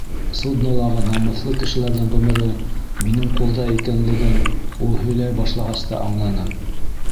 Суднолағы намыҫлы кешеләрҙең ғүмере минең ҡулда икәнлеген ул һөйләй башлағас та аңланым.